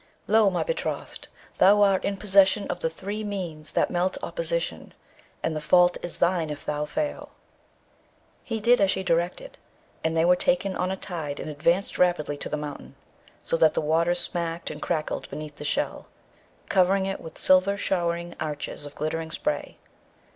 Lo, my betrothed, thou art in possession of the three means that melt opposition, and the fault is thine if thou fail.' He did as she directed; and they were taken on a tide and advanced rapidly to the mountain, so that the waters smacked and crackled beneath the shell, covering it with silver showering arches of glittering spray.